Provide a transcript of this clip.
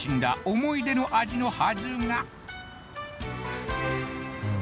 思い出の味のはずがうん